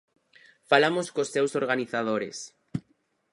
Falamos cos seus organizadores.